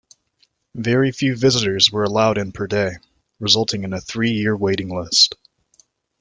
Very few visitors were allowed in per day, resulting in a three-year waiting list.